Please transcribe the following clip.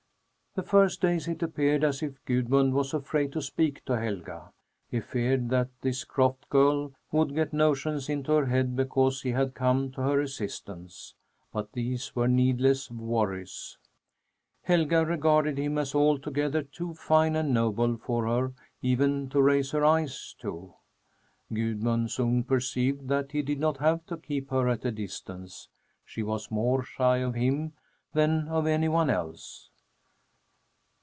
The first days it appeared as if Gudmund was afraid to speak to Helga. He feared that this croft girl would get notions into her head because he had come to her assistance. But these were needless worries. Helga regarded him as altogether too fine and noble for her even to raise her eyes to. Gudmund soon perceived that he did not have to keep her at a distance. She was more shy of him than of any one else.